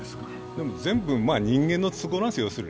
でも、全部人間の都合なんです。